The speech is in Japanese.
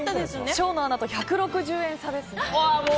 生野アナと１６０円差ですね。